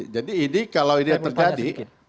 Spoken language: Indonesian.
jadi ini kalau ini yang terjadi